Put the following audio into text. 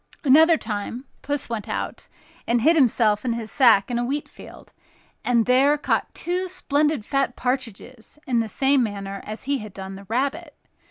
Another time, Puss went out and hid himself and his sack in a wheat field, and there caught two splendid fat partridges in the same manner as he had done the rabbit.